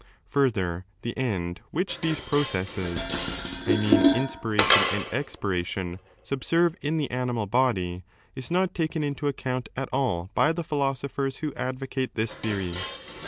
Further, 4 the end which these processes (I mean inspiration and expiration) subserve in the animal body is not taken into account at all by the philosophers who advocate this theory.